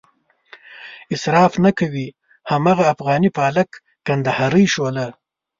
اصراف نه کوي هماغه افغاني پالک، کندهارۍ شوله.